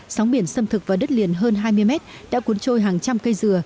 sóng biển xâm thực vào đất liền hơn hai mươi mét đã cuốn trôi hàng trăm cây dừa